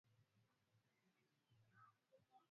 Watu kumi na sita wamefikishwa mahakamani kwa kuwauzia silaha